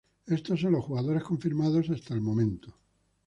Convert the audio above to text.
Estos son los jugadores confirmados hasta el momento.